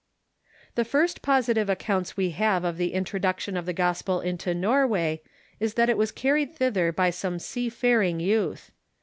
The first positive accounts we have of the introduction of NEW MISSIONS 141 the gospel into Xorway is that it was carried thither by some seafaring youth.